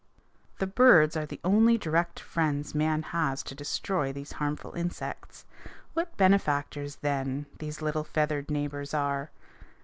The birds are the only direct friends man has to destroy these harmful insects. What benefactors, then, these little feathered neighbors are!